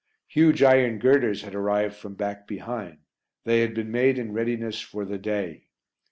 Huge iron girders had arrived from back behind; they had been made in readiness for "The Day."